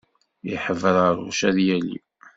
Iḥebraruc ad yali.